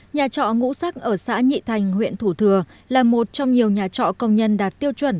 nhà trọ ngũ sắc ở xã nhị thành huyện thủ thừa là một trong nhiều nhà trọ công nhân đạt tiêu chuẩn